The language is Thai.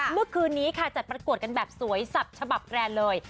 เมื่อคืนนี้ค่ะจัดประกวดกันแบบสวยสับฉบับแรนด์เลย